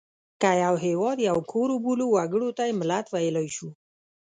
که یو هېواد یو کور وبولو وګړو ته یې ملت ویلای شو.